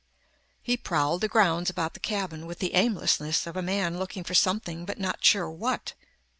He prowled the grounds about the cabin with the aimlessness of a man looking for something but not sure what.